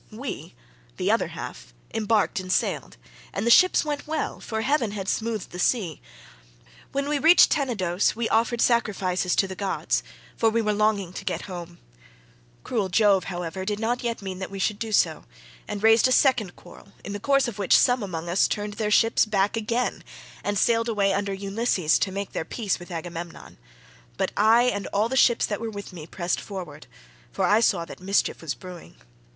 We—the other half—embarked and sailed; and the ships went well, for heaven had smoothed the sea. When we reached Tenedos we offered sacrifices to the gods, for we were longing to get home; cruel Jove, however, did not yet mean that we should do so, and raised a second quarrel in the course of which some among us turned their ships back again, and sailed away under Ulysses to make their peace with Agamemnon; but I, and all the ships that were with me pressed forward, for I saw that mischief was brewing.